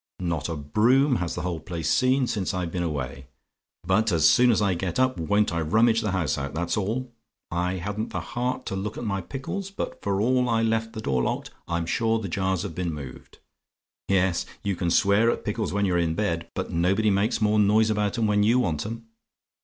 Not a broom has the whole place seen since I've been away. But as soon as I get up, won't I rummage the house out, that's all! I hadn't the heart to look at my pickles; but for all I left the door locked, I'm sure the jars have been moved. Yes; you can swear at pickles when you're in bed; but nobody makes more noise about 'em when you want 'em.